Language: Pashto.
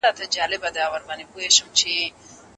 آیا ای بک تر چاپي کتاب سپک دی؟